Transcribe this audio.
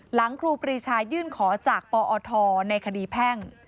ครูปรีชายื่นขอจากปอทในคดีแพ่ง